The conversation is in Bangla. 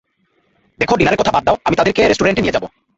দেখো ডিনারের কথা বাদ দাও আমি তাদেরকে রেস্টুরেন্টে নিয়ে যাবো।